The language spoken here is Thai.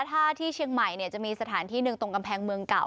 ถ้าที่เชียงใหม่จะมีสถานที่หนึ่งตรงกำแพงเมืองเก่า